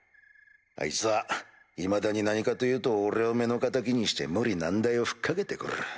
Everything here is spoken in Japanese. あいつはいまだに何かというと俺を目の敵にして無理難題を吹っ掛けて来る。